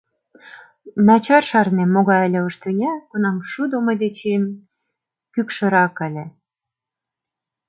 Начар шарнем, могай ыле ош тӱня, кунам шудо мый дечем кӱкшырак ыле.